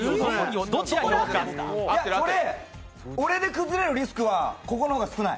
これ、俺で崩れるリスクはここの方が少ない。